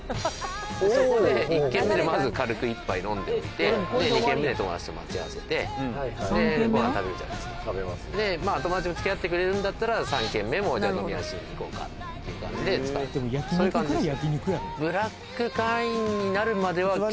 そこで１軒目でまず軽く１杯飲んでおいてで２軒目で友達と待ち合わせてでご飯食べるじゃないですか食べますで友達もつきあってくれるんだったら３軒目もじゃあ飲み直しに行こうかっていう感じでそういう感じですね